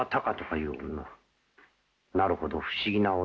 なるほど不思議な女だな。